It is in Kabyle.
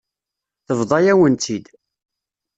Tebḍa-yawen-tt-id.